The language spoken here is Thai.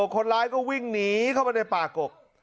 คนร้ายก็วิ่งหนีเข้าไปในป่ากก